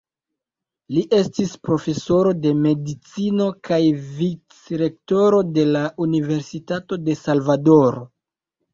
Li estis profesoro de Medicino kaj Vicrektoro de la Universitato de Salvadoro.